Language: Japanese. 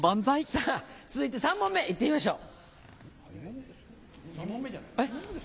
さぁ続いて２問目行ってみましょう。